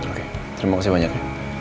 oke terima kasih banyak